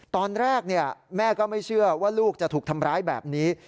ตอนแรกแม่ก็ไม่เชื่อว่าลูกจะถูกทำร้ายแบบนี้